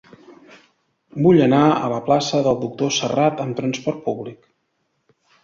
Vull anar a la plaça del Doctor Serrat amb trasport públic.